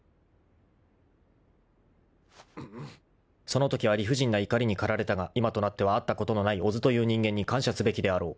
・［そのときは理不尽な怒りに駆られたが今となっては会ったことのない小津という人間に感謝すべきであろう］